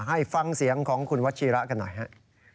ให้ฟังเสียงของคุณวัชิระกันหน่อยฮะ